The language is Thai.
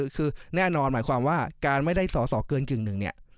คือแน่นอนหมายความว่าการไม่ได้สอสอเกินกึ่งหนึ่งเนี่ย